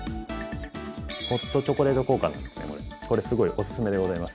ホットチョコレート効果なんですけどこれすごいおすすめでございます。